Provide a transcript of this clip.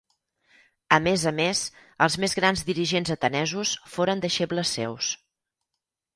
A més a més els més grans dirigents atenesos foren deixebles seus.